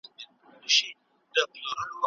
که میخ وي نو لرګی نه جلا کیږي.